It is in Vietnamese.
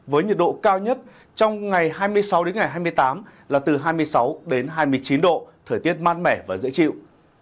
với nhiệt độ cao nhất trong ngày hai mươi sáu hai mươi tám là từ hai mươi sáu hai mươi chín độ thời tiết mát mẻ và dễ chịu